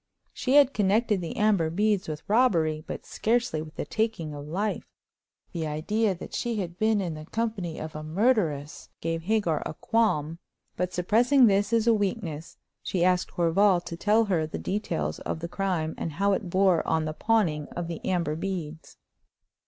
She had connected the amber beads with robbery, but scarcely with the taking of life. The idea that she had been in the company of a murderess gave Hagar a qualm; but, suppressing this as a weakness, she asked Horval to tell her the details of the crime and how it bore on the pawning of the amber beads.